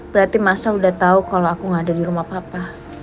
berarti mas al udah tahu kalau aku gak ada di rumah papa